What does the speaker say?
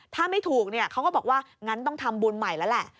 ถ้าไม่ถูกเนี่ยเขาก็บอกว่างั้นต้องทำบุญใหม่แล้วแหละ